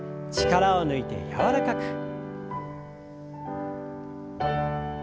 力を抜いて柔らかく。